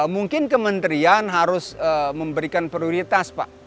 mungkin kementerian harus memberikan prioritas pak